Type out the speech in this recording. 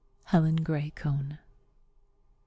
HELEN GRAY CONE.